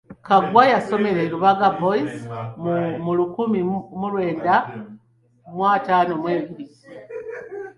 Kaggwa yasomera e Lubaga Boys mu lukumi mu lwenda mu ataano mu ebiri.